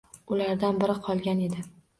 Ulardan biri qolgan edi.